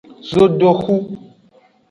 Zodohu.